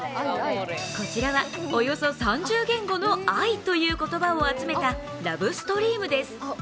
こちらはおよそ３０言語の「愛」という言葉を集めた「ラブ・ストリーム」です。